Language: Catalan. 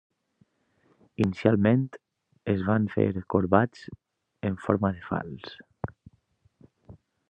Inicialment, es van fer corbats en forma de falç.